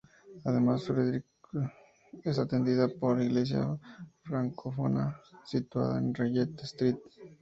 Además, Fredericton es atendida por la iglesia francófona, situada en Regent Street.